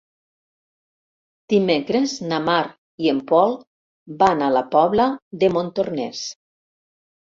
Dimecres na Mar i en Pol van a la Pobla de Montornès.